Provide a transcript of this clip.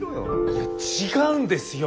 いや違うんですよ